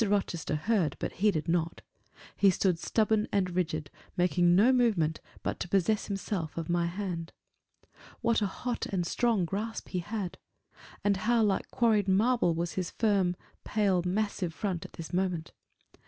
Rochester heard, but heeded not; he stood stubborn and rigid; making no movement but to possess himself of my hand. What a hot and strong grasp he had! and how like quarried marble was his pale, firm, massive front at this moment!